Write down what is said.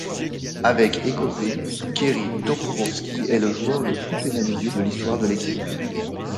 Avec écopées, Kerry Toporowski est le joueur le plus pénalisé de l'histoire de l'équipe.